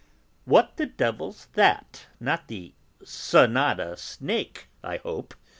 "What the devil's that? Not the sonata snake, I hope!"